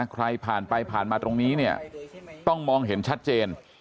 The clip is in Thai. ใครผ่านไปผ่านมาตรงนี้เนี่ยต้องมองเห็นชัดเจน